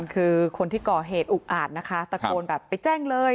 คือคนที่ก่อเหตุอุกอาจนะคะตะโกนแบบไปแจ้งเลย